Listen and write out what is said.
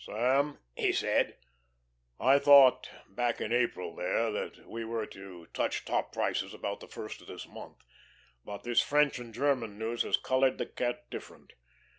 "Sam," he said, "I thought back in April there that we were to touch top prices about the first of this month, but this French and German news has coloured the cat different.